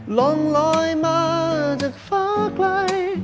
หล่องลอยมาจากเฟ้อกลาย